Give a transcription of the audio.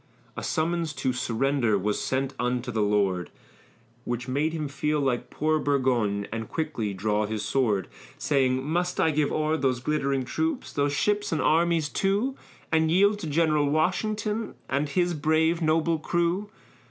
A summons to surrender was sent unto the lord, Which made him feel like poor Burgoyne and quickly draw his sword, Saying, "Must I give o'er those glittering troops, those ships and armies too, And yield to General Washington, and his brave noble crew?"